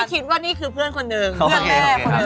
ไม่คิดว่านี่คือเพื่อนคนหนึ่ง